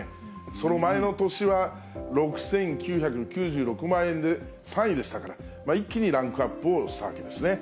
その前の年は６９９６万円で３位でしたから、一気にランクアップをしたわけですね。